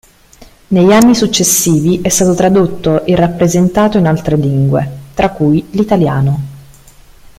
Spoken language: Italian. Negli anni successivi è stato tradotto e rappresentato in altre lingue, tra cui l’italiano.